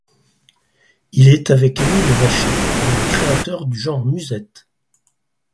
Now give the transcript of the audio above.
Il est, avec Émile Vacher, l'un des créateurs du genre musette.